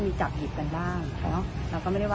คือเด็กเข้ามาเป็นอื่นใช่ไหมคะ